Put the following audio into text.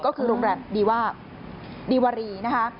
ก็คือโรงแรมดิวารี